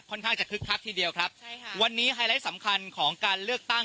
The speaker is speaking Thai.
ข้างจะคึกคักทีเดียวครับใช่ค่ะวันนี้ไฮไลท์สำคัญของการเลือกตั้ง